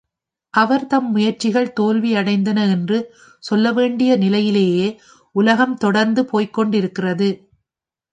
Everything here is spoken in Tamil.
அவர் தம் முயற்சிகள் தோல்வியடைந்தன என்று சொல்ல வேண்டிய நிலையிலேயே உலகம் தொடர்ந்து போய்க் கொண்டிருக்கிறது.